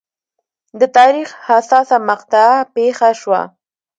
د تاریخ حساسه مقطعه پېښه شوه.